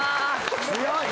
強い。